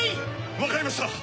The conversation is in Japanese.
分かりました！